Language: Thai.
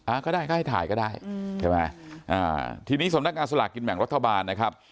ก็ได้ก็ให้ถ่ายก็ได้อืมใช่ไหมอ่าทีนี้สำนักงานสลากกินแบ่งรัฐบาลนะครับ